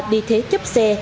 đi thế chấp xe